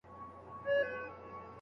پریکړه باید ځنډ ونه لري.